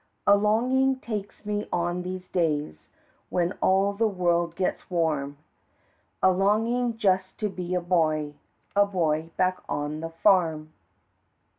A longin' takes me on these days When all the world gets warm, A longin' just to be a boy A boy back on the farm.